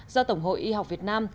do tổng hội y học việt nam